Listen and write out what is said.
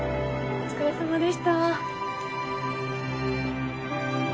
お疲れさまです。